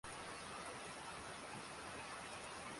Estuvo varios años en la frontera araucana.